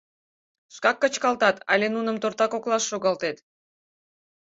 — Шкак кычкалтат але нуным торта коклаш шогалтет?